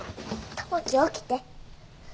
友樹起きて。